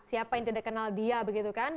siapa yang tidak kenal dia begitu kan